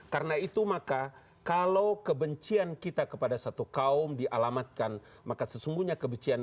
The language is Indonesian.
karena itu maka kalau kebencian kita kepada satu kaum dialamatkan maka sesungguhnya kebencian